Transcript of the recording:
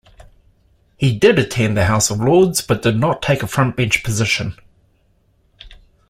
He did attend the House of Lords but did not take a front-bench position.